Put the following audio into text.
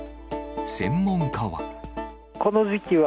専門家は。